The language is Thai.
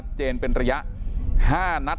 ตอนนี้ก็เปลี่ยนแหละ